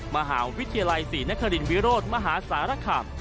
มหาวิทยาลัยศรีนครินต์วิโรธมหาศาลักษณ์